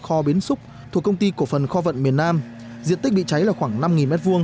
kho bến xúc thuộc công ty cổ phần kho vận miền nam diện tích bị cháy là khoảng năm m hai